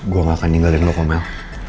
gue gak akan tinggalin lo komel